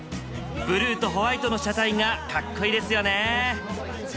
ブルーとホワイトの車体がかっこいいですよね！